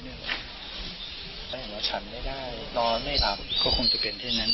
ตอนไม่จับก็คงจะเป็นที่นั้น